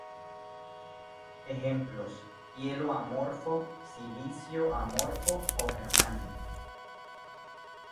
Ejemplos: hielo amorfo, silicio amorfo o germanio.